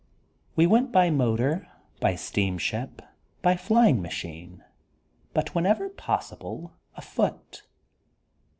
We went by motor, by steamship, by flying machine, but whenever possible, afoot.